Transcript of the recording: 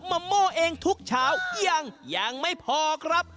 โม่เองทุกเช้ายังยังไม่พอครับ